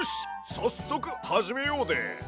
さっそくはじめようで！